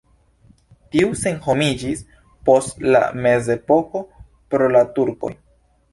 Tiu senhomiĝis post la mezepoko pro la turkoj.